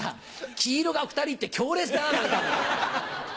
黄色が２人って強烈だな何か。